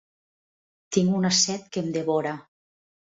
Tinc una set que em devora.